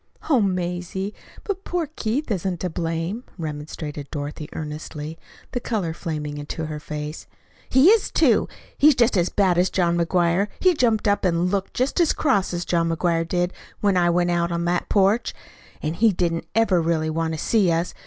"Oh, Mazie, but poor Keith isn't to blame," remonstrated Dorothy earnestly, the color flaming into her face. "He is, too. He's just as bad as John McGuire. He jumped up and looked just as cross as John McGuire did when I went out on to that porch. And he doesn't ever really want to see us.